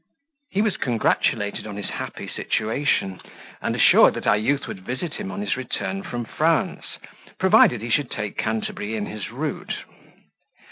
He was congratulated on his happy situation, and assured that our youth would visit him on his return from France, provided he should take Canterbury in his route.